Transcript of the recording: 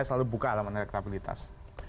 lalu buka alaman elektabilitas